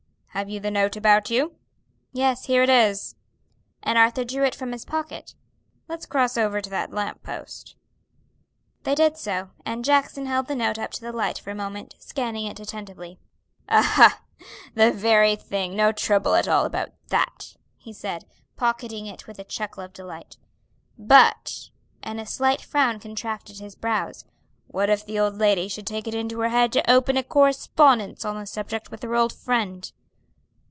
have you the note about you?" "Yes, here it is." And Arthur drew it from his pocket. "Let's cross over to that lamp post." They did so, and Jackson held the note up to the light for a moment, scanning it attentively. "Ah, ha! the very thing! no trouble at all about that," he said, pocketing it with a chuckle of delight, "But," and a slight frown contracted his brows, "what if the old lady should take it into her head to open a correspondence on the subject with her old friend?"